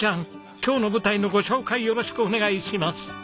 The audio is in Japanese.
今日の舞台のご紹介よろしくお願いします。